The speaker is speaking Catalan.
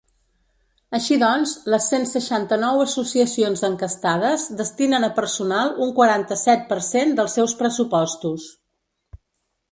Així doncs, les cent seixanta-nou associacions enquestades destinen a personal un quaranta-set per cent dels seus pressupostos.